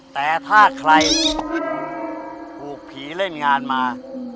แต่ถ้าใครถูกผีเล่นงานมา